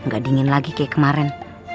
gak dingin lagi kayak kemarin